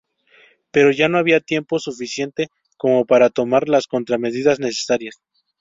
Pero ya no había tiempo suficiente como para tomar las contramedidas necesarias.